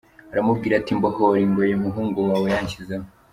Aramubwira ati mbohora ingoyi umuhungu wawe yanshyizeho.